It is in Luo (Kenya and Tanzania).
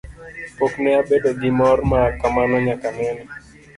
Pok ne abedo gi mor ma kamano nyaka nene.